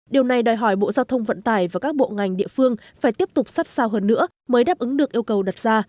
điều này đòi hỏi bộ giao thông vận tải và các bộ ngành địa phương phải tiếp tục sắt sao hơn nữa mới đáp ứng được yêu cầu đặt ra